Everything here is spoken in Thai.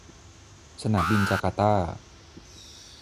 สนามบินจาการ์ตา